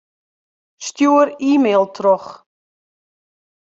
Stjoer e-mail troch.